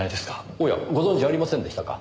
おやご存じありませんでしたか？